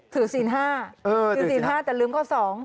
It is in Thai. ถือสินห้าถือสินห้าแต่ลืมก็สอง